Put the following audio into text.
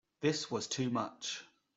This was too much.